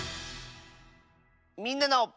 「みんなの」。